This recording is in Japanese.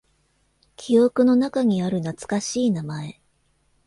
記憶の中にある懐かしい名前。